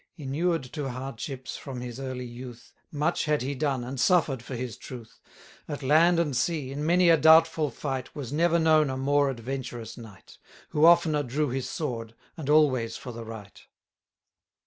910 Inured to hardships from his early youth, Much had he done, and suffer'd for his truth: At land and sea, in many a doubtful fight, Was never known a more adventurous knight, Who oftener drew his sword, and always for the right.